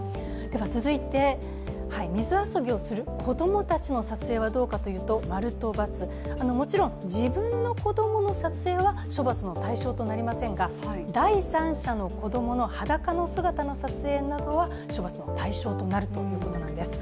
続いて、水遊びをする子供たちの撮影はどうかというと、○と×、もちろん自分の子供の撮影は処罰の対象となりませんが、第三者の子供の裸の姿の撮影などは処罰の対象となるということなんです。